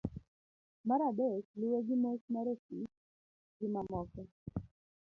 mar adek, luwe gi mos mar ofis gimamoko